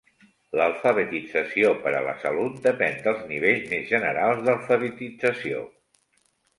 L'alfabetització per a la salut depèn dels nivells més generals d'alfabetització.